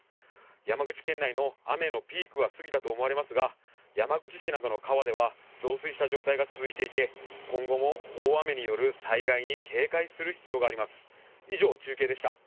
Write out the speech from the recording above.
山口県内の雨のピークは過ぎたと思われますが山口市などの川では増水した状態が続いていて今後も大雨による災害に警戒する必要があります。